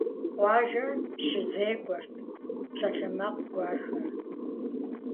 Къуажэм щызекӀуэрт псалъэмакъ гуэрхэр.